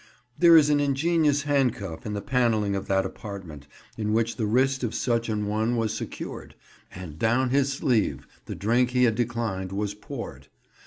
There is an ingenious handcuff in the panelling of that apartment in which the wrist of such an one was secured, and down his sleeve the drink he had declined was poured.